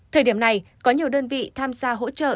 thời điểm này có nhiều đơn vị tham gia hỗ trợ